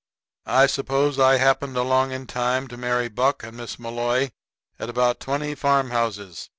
] I suppose I happened along in time to marry Buck and Miss Malloy at about twenty farm houses.